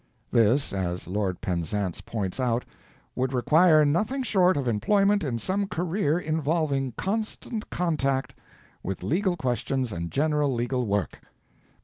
This, as Lord Penzance points out, "would require nothing short of employment in some career involving constant contact with legal questions and general legal work."